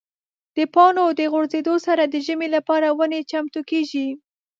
د پاڼو د غورځېدو سره د ژمي لپاره ونې چمتو کېږي.